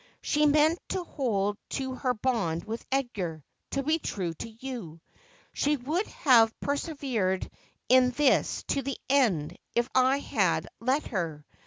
She meant to hold to her bond with Edgar — to be true to you. She would have persevered in this to the end, if I had let her.